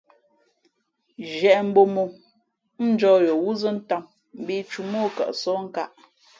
Zhiēʼ mbō mó ά njǒh yo wúzᾱ tām mbīʼtǔmά o kαʼsóh nkāʼ.